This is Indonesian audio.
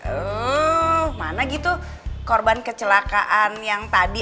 oh mana gitu korban kecelakaan yang tadi